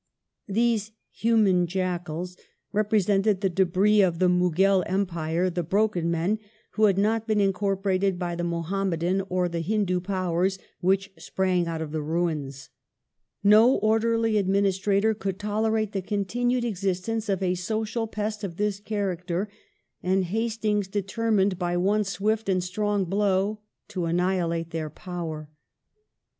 These "human jackals" represented the " debris of the Mughal Empire, the broken men who had not been incorporated by the Muhammadan or the Hindu powei s which sprang out of its ruins ". No orderly admini strator could tolerate the continued existence of a social pest of this character, and Hastings determined by one swift and strong blow to annihilate their power.